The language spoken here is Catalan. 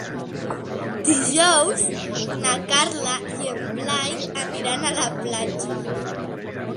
Dijous na Carla i en Blai aniran a la platja.